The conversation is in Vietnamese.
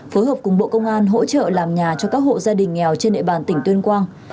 phối hợp cùng bộ công an hỗ trợ làm nhà cho các hộ gia đình nghèo trên địa bàn tỉnh tuyên quang